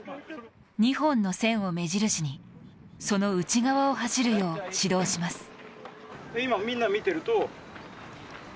２本の線を目印に、その内側を走るよう指導します。